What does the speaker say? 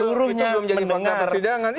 itu menjadi fakta persidangan iya